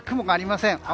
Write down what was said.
雲がありません。